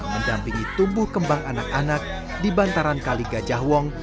mendampingi tumbuh kembang anak anak di bantaran kaliga jahwong